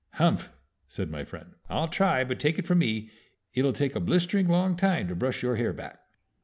"Humph!" said my friend. "I'll try; but, take it from me, it'll take a blistering long time to brush your hair back!"